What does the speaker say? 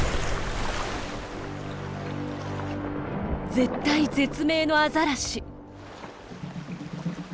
絶体絶命のアザラシ。